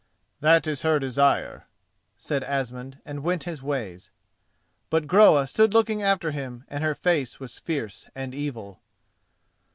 "That is her desire," said Asmund and went his ways. But Groa stood looking after him and her face was fierce and evil.